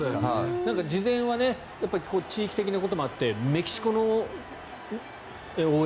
事前は地域的なこともあってメキシコの応援